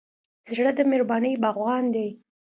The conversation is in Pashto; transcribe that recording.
زړه د مهربانۍ باغوان دی.